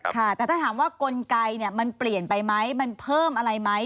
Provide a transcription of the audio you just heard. ค่ะแต่ถ้าถามว่ากลไกมันเปลี่ยนไปไหมมันเพิ่มอะไรไหม